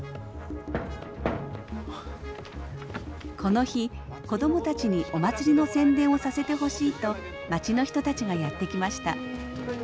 この日子供たちにお祭りの宣伝をさせてほしいと町の人たちがやって来ました。